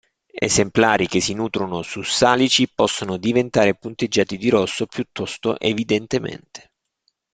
Esemplari che si nutrono su salici possono diventare punteggiati di rosso piuttosto evidentemente.